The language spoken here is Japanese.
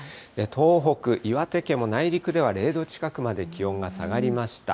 東北、岩手県も内陸では０度近くまで気温が下がりました。